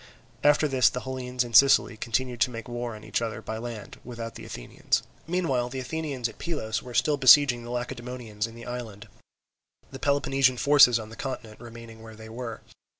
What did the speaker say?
After this the Hellenes in Sicily continued to make war on each other by land, without the Athenians. Meanwhile the Athenians at Pylos were still besieging the Lacedaemonians in the island, the Peloponnesian forces on the continent remaining where they were.